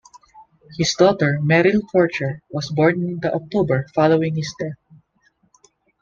His daughter, Merrill Fortier, was born in the October following his death.